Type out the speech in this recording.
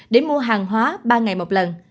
để mua hàng hóa ba ngày một lần